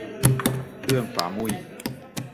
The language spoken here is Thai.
เอื้องฟ้ามุ่ย